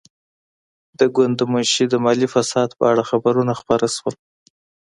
د ګوند د منشي د مالي فساد په اړه خبرونه خپاره شول.